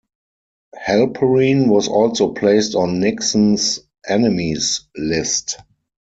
Halperin was also placed on Nixon's Enemies List.